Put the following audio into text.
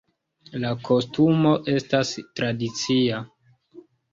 La kostumo estas tradicia.